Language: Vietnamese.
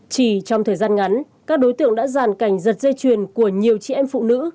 chỉ trong thời gian ngắn các đối tượng đã giàn cảnh giật dây chuyền của nhiều chị em phụ nữ